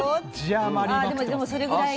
ああでもそれぐらい。